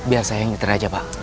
biar saya yang nyeter aja pak